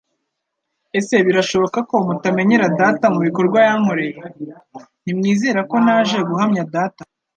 Ese birashoboka ko mutamenyera Data mu bikorwa yankoreye. Ntimwizera ko naje guhamya Data?